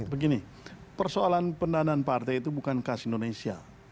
begini persoalan pendanaan partai itu bukan khas indonesia